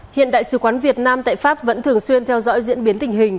hiện đại sứ quán việt nam tại pháp vẫn thường xuyên theo dõi diễn biến tình hình